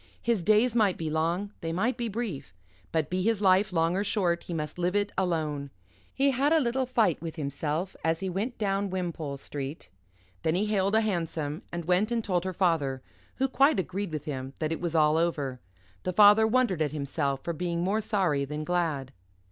His days might be long, they might be brief; but be his life long or short, he must live it alone. He had a little fight with himself as he went down Wimpole Street; then he hailed a hansom, and went and told her father, who quite agreed with him that it was all over. The father wondered at himself for being more sorry than glad.